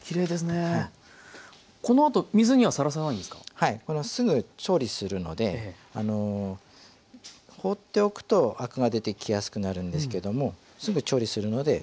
はいすぐ調理するので放っておくとあくが出てきやすくなるんですけどもすぐ調理するのでやらなくて大丈夫です。